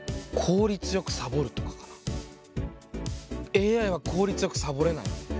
ＡＩは効率よくさぼれないもんね。